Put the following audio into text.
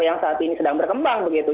yang saat ini sedang berkembang begitu